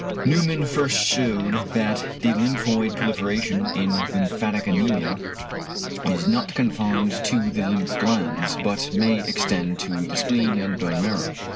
Neumann first shewed that the lymphoid proliferation in lymphatic anæmia is not confined to the lymph glands, but may extend to the spleen and bone marrow.